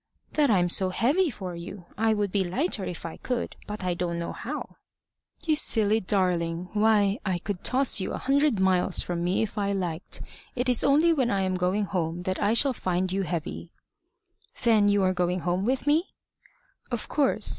"That I'm so heavy for you. I would be lighter if I could, but I don't know how." "You silly darling! Why, I could toss you a hundred miles from me if I liked. It is only when I am going home that I shall find you heavy." "Then you are going home with me?" "Of course.